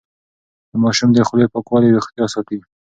د ماشوم د خولې پاکوالی روغتيا ساتي.